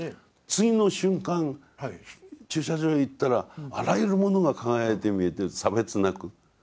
次の瞬間駐車場へ行ったらあらゆるものが輝いて見えてる差別なく。